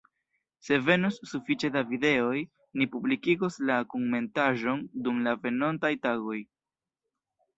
Se venos sufiĉe da videoj, ni publikigos la kunmetaĵon dum la venontaj tagoj.